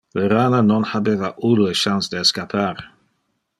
Le rana non habeva ulle chance de escappar.